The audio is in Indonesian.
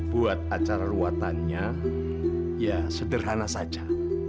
buat acara ruatannya ya sederhana saja